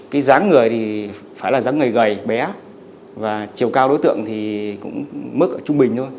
cái dáng người thì phải là giá người gầy bé và chiều cao đối tượng thì cũng mức ở trung bình thôi